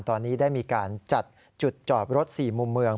ตอนนี้ได้มีการจัดจุดจอบรถ๔มุมเมือง